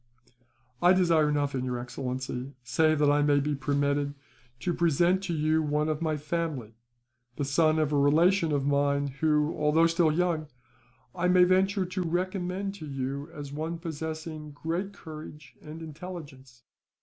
"I desire nothing, your excellency, save that I may be permitted to present to you one of my family: the son of a relation of mine who, although still young, I may venture to recommend to you as one possessing great courage and intelligence.